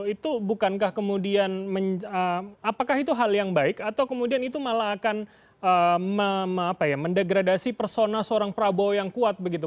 itu bukankah kemudian apakah itu hal yang baik atau kemudian itu malah akan mendegradasi persona seorang prabowo yang kuat begitu